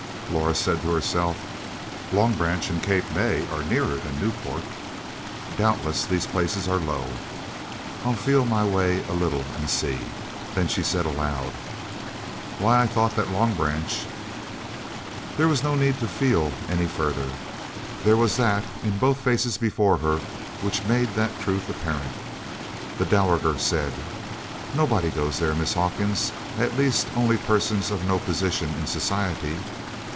Laura said to herself, "Long Branch and Cape May are nearer than Newport; doubtless these places are low; I'll feel my way a little and see." Then she said aloud: "Why I thought that Long Branch " There was no need to "feel" any further there was that in both faces before her which made that truth apparent. The dowager said: "Nobody goes there, Miss Hawkins at least only persons of no position in society.